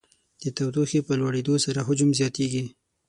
د تودوخې په لوړېدو سره حجم زیاتیږي.